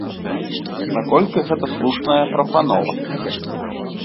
Наколькі гэта слушная прапанова?